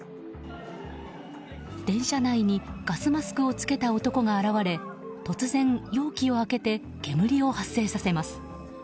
電車内にガスマスクを着けた男が現れ突然、容器を開けて煙を発生させます。